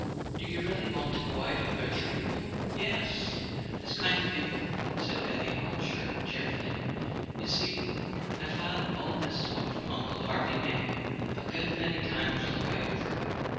Do you really want to go out and butcher people ?" "Yes—this kind of people," said Benny Upsher cheerfully. "You see, I've had all this talk from Uncle Harvey Mayhew a good many times on the way over.